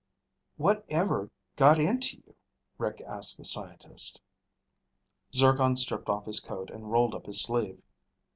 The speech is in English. "Whatever got into you?" Rick asked the scientist. Zircon stripped off his coat and rolled up his sleeve.